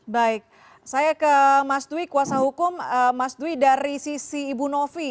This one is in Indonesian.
baik saya ke mas dwi kuasa hukum mas dwi dari sisi ibu novi